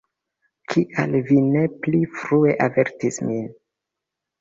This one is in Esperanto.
Kial vi ne pli frue avertis min?